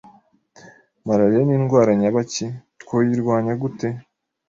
Malaria ni indwara nyabaki, twoyirwanya gute?